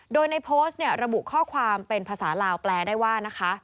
โดยในโพสต์เนี่ยระบุข้อความเป็นภาษาลาวแปลได้ว่านะคะ